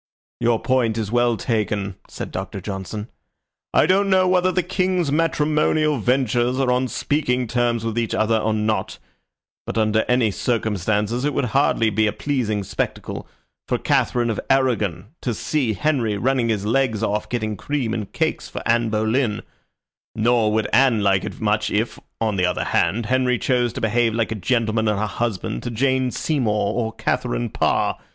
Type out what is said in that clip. "Your point is well taken," said Doctor Johnson. "I don't know whether the King's matrimonial ventures are on speaking terms with each other or not, but under any circumstances it would hardly be a pleasing spectacle for Katharine of Arragon to see Henry running his legs off getting cream and cakes for Anne Boleyn; nor would Anne like it much if, on the other hand, Henry chose to behave like a gentleman and a husband to Jane Seymour or Katharine Parr.